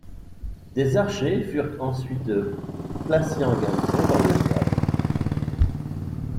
Des archers furent ensuite placés en garnison dans le théâtre.